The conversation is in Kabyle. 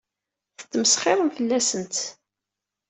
Tettmesxiṛem fell-asent.